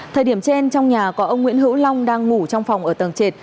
thời điểm trên trong nhà có ông nguyễn hữu long đang ngủ trong phòng ở tầng trệt